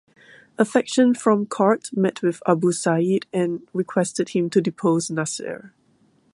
A faction from court met with Abu Said and requested him to depose Nasr.